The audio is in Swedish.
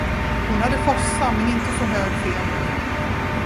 Hon hade frossa men inte så hög feber.